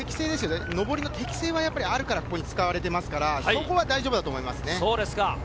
上りの適性があるからここに使われているので、そこは大丈夫だと思います。